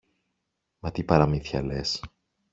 Μα τι παραμύθια λες!